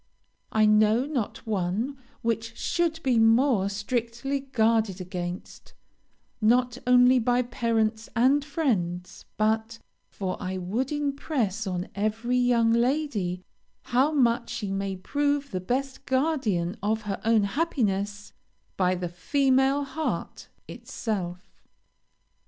I know not one which should be more strictly guarded against, not only by parents and friends, but (for I would impress on every young lady how much she may prove the best guardian of her own happiness) by the female heart itself.